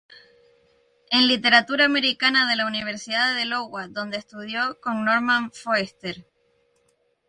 En literatura americana de la Universidad de Iowa donde estudió con Norman Foerster.